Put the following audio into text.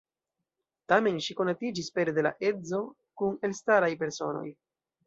Tamen ŝi konatiĝis pere de la edzo kun elstaraj personoj.